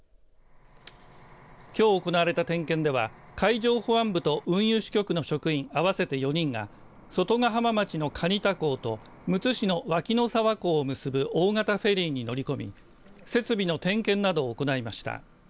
きょう行われた点検では海上保安部と運輸支局の職員合わせて４人が外ケ浜町の蟹田港とむつ市の脇野沢港を結ぶ大型フェリーに乗り込み設備の点検などを行いました。